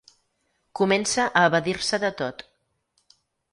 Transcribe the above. Comença a evadir-se de tot.